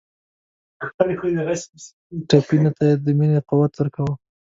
ټپي ته باید د مینې قوت ورکړو.